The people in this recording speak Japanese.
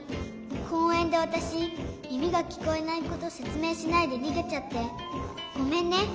こうえんでわたしみみがきこえないことせつめいしないでにげちゃってごめんね。